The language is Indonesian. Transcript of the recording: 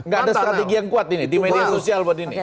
gak ada strategi yang kuat ini di media sosial buat ini